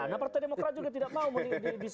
nah partai demokrat juga tidak mau disini terjadi